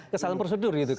kesalahan prosedur itu kan